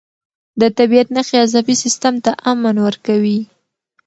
د طبیعت نښې عصبي سیستم ته امن ورکوي.